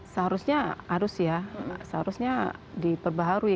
seharusnya harus ya seharusnya diperbaharui